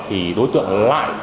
thì đối tượng lại